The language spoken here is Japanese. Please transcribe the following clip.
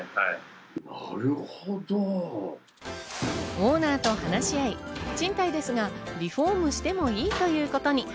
オーナーと話し合い、賃貸ですがリフォームしてもいいということに。